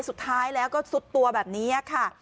สุดท้ายแล้วก็ซุดตัวแบบนี้ค่ะ